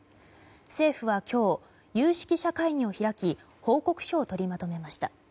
政府は今日、有識者会議を開き報告書を取りまとめました。